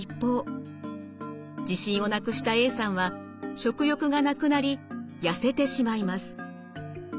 自信をなくしたＡさんは食欲がなくなり痩せてしまいます。